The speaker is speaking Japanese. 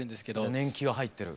年季が入ってる。